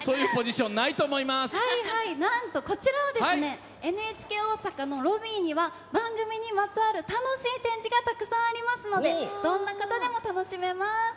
こちらＮＨＫ大阪のロビーには番組にまつわる楽しい展示がたくさんありますのでどんな方でも楽しめます。